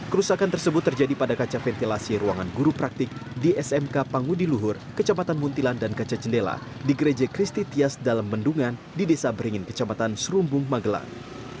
kerusakan tersebut terjadi pada kaca ventilasi ruangan guru praktik di smk pangudi luhur kecamatan muntilan dan kaca jendela di gereja kristias dalam mendungan di desa beringin kecamatan serumbung magelang